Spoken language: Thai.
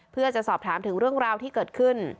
เพื่อจะสอบถามถึงเรื่องราวที่เกิดขึ้น